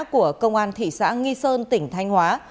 của công an thị xã nghi sơn tỉnh thanh hóa